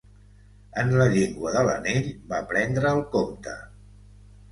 En la llengua de l'anell, va prendre el Comte.